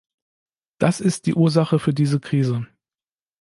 Das ist die Ursache für diese Krise.